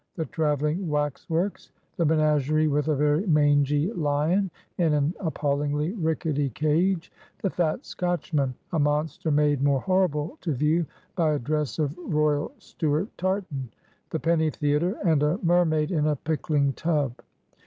The travelling wax works; the menagerie with a very mangy lion in an appallingly rickety cage; the fat Scotchman, a monster made more horrible to view by a dress of royal Stuart tartan; the penny theatre, and a mermaid in a pickling tub.